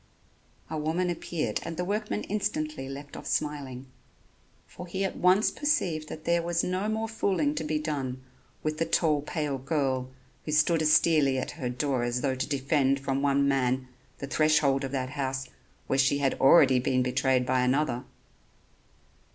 A woman appeared and the workman instantly left off smiling, for he at once perceived that there was no more fooling to be done with the tall pale girl who stood austerely at her door as though to defend from one man the threshold of that house where she had already been betrayed by another.